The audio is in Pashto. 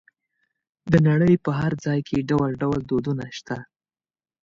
د نړۍ په هر ځای کې ډول ډول دودونه شته.